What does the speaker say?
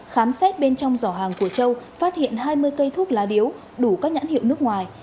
khám xét bên trong giỏ hàng của châu phát hiện hai mươi cây thuốc lá điếu đủ các nhãn hiệu nước ngoài